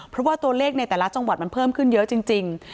เพราะว่าตัวเลขในแต่ละจังหวัดมันเพิ่มขึ้นเยอะจริง